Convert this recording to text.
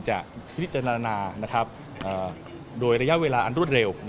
จะพิจารณาโดยระยะเวลาอันรวดเร็ว